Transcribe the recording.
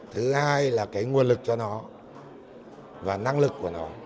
thứ hai là cái nguồn lực cho nó và năng lực của nó